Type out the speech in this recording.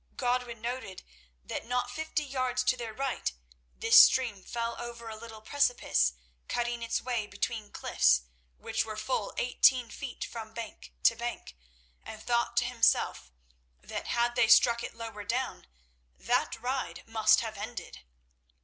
Godwin noted that not fifty yards to their right this stream fell over a little precipice cutting its way between cliffs which were full eighteen feet from bank to bank, and thought to himself that had they struck it lower down, that ride must have ended.